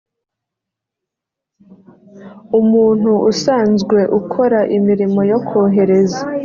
umuntu usanzwe ukora imirimo yo kohereza